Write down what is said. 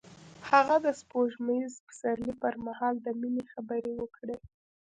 هغه د سپوږمیز پسرلی پر مهال د مینې خبرې وکړې.